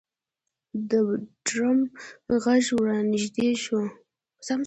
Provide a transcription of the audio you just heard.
د ډرم غږ ورنږدې شو.